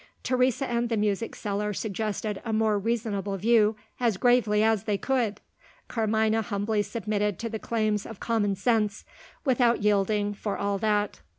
Teresa and the music seller suggested a more reasonable view as gravely as they could. Carmina humbly submitted to the claims of common sense without yielding, for all that.